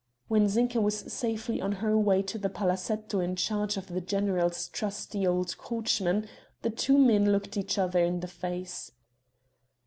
When Zinka was safely on her way to the palazetto in charge of the general's trusty old coachman, the two men looked each other in the face.